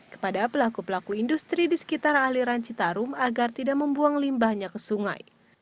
kepada pelaku pelaku industri di sekitar aliran citarum agar tidak membuang limbahnya ke sungai